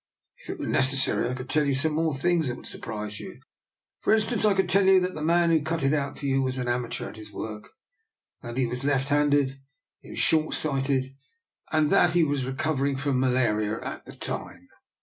If it were neces sary I could tell you some more things that would surprise you: for instance, I could tell you that the man who cut it out for you was an amateur at his work, that he was left handed, that he was short sighted, and that he was recovering from malaria at the time.